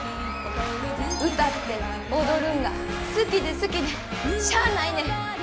歌って踊るんが好きで好きでしゃあないねん。